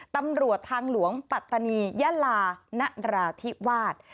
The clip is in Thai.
ตำรวจทางหลวงปัตตานียะลานราธิวาส